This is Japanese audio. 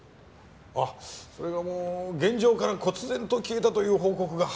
あっそれがあの現場から忽然と消えたという報告が入っております。